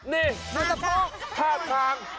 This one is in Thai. นี่ภาพทาง